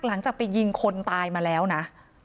หลังจากไปยิงคนตายมาแล้วนะ